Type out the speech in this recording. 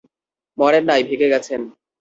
মরেন নাই, ভেগে গেছেন।